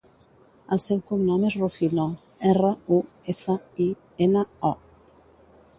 El seu cognom és Rufino: erra, u, efa, i, ena, o.